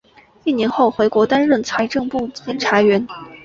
一年后回国担任财政部监察员。